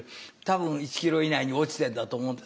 多分１キロ以内に落ちてんだと思うんです。